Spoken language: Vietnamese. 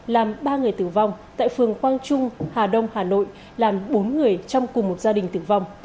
làm ba người tử vong tại phường quang trung hà đông hà nội làm bốn người trong cùng một gia đình tử vong